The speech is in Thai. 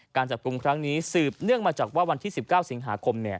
การจับกลุ่มครั้งนี้สืบเนื่องมาจากว่าวันที่๑๙สิงหาคม